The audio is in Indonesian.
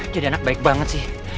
jadi anak baik banget sih